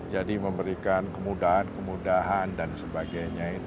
jadi memberikan kemudahan kemudahan dan sebagainya